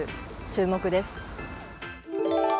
注目です。